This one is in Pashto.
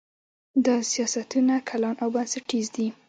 دا سیاستونه کلان او بنسټیز دي.